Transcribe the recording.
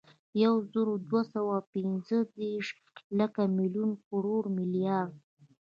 یوزرودوهسوه اوپنځهدېرس، لک، ملیون، کروړ، ملیارد